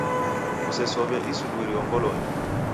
Kusesow'e isuw'irio ngolonyi.